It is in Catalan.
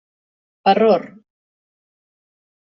Error.